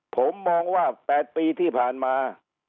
ผมมองว่า๘ปีที่ผ่านมา